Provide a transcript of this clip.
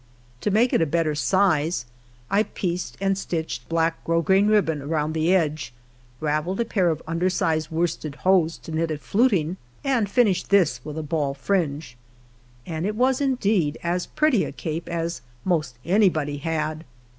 To make it a better size, I pieced and stitched black gros grain ribbon round the edge, ravelled a pair of under sized worsted hose to knit a fluting, and flnished this with a ball fringe ; and it was, indeed, as pretty a cape as most anybody had